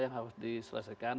yang harus diselesaikan